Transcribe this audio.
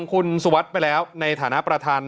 คุณสุวัสดิ์ไปแล้วในฐานะประธาน